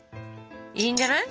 いいんじゃない？